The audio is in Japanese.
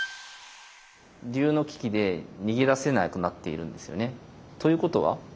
龍の利きで逃げ出せなくなっているんですよね。ということは？